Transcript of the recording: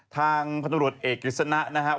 ทางพนับรวจเอกฤษณะนะครับ